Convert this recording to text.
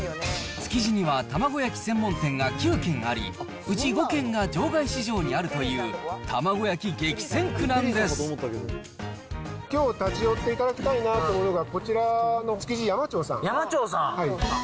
築地には玉子焼き専門店が９軒あり、うち５軒が場外市場にあるという、きょう立ち寄っていただきたいなと思うのが、こちらの築地山長さん。